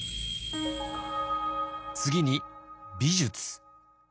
次に美術。